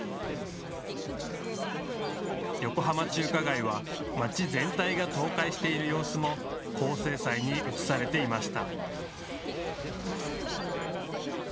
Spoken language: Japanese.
横浜中華街は街全体が倒壊している様子も高精細に写されていました。